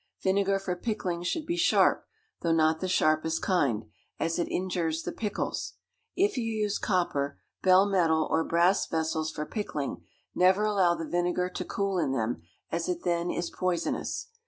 Vinegar for pickling should be sharp, though not the sharpest kind, as it injures the pickles. If you use copper, bell metal, or brass vessels for pickling, never allow the vinegar to cool in them, as it then is poisonous.